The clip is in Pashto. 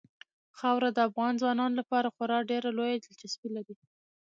خاوره د افغان ځوانانو لپاره خورا ډېره لویه دلچسپي لري.